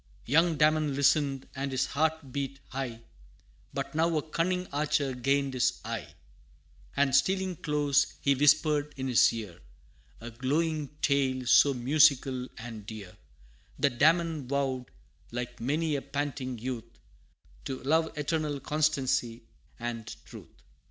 Young Damon listened, and his heart beat high But now a cunning archer gained his eye And stealing close, he whispered in his ear, A glowing tale, so musical and dear, That Damon vowed, like many a panting youth, To Love, eternal constancy and truth!